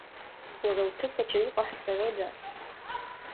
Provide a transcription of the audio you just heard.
Уара уҭыԥ аҿы иҟаҳҵарыда?